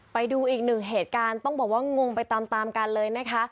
ไปดูอีกหนึ่งเหตุการณ์ต้องบอกว่างงไปตามตามกันเลยนะคะ